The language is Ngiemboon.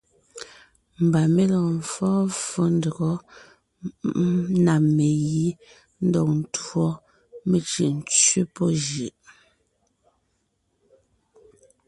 Mbà mé lɔɔn fɔ́ɔn ffó ndÿɔgɔ́ na megǐ ńdɔg ńtuɔ, mé cʉ́ʼ ńtsẅé pɔ́ jʉʼ.